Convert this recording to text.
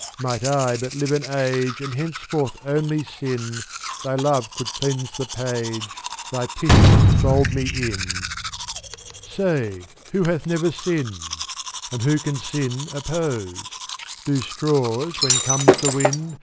Might I but live an age And henceforth only sin, Thy love could cleanse the page, Thy pity fold me in. 425 Say, who hath never sinned? (fttftAl* And who can sin oppose? 71 Do straws, when comes the wind, v|v£?